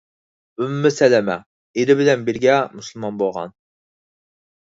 ئۇممۇ سەلەمە — ئېرى بىلەن بىرگە مۇسۇلمان بولغان.